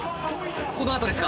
このあとですか？